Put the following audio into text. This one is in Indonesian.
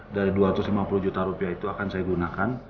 dari dua ratus lima puluh juta rupiah itu akan saya gunakan